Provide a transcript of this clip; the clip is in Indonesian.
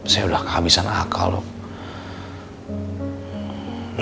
saya udah kehabisan akal